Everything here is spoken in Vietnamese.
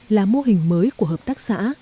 là mô hình mới của hợp tác xã